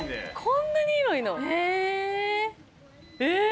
こんなに広いの？え？